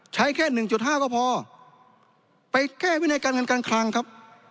ใช้แค่หนึ่งจุดห้าก็พอไปแก้วินัยการเงินกลางคลังครับ